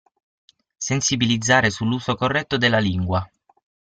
Sensibilizzare sull'uso corretto della lingua.